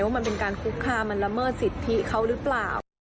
มันเป็นการคุกคามมันละเมิดสิทธิเขาหรือเปล่า